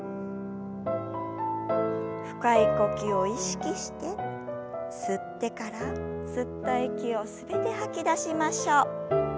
深い呼吸を意識して吸ってから吸った息を全て吐き出しましょう。